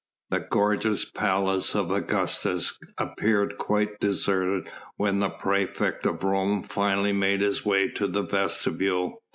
The gorgeous palace of Augustus appeared quite deserted when the praefect of Rome finally made his way to the vestibule.